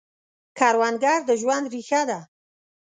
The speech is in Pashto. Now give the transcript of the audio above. کروندګر د ژوند ریښه ده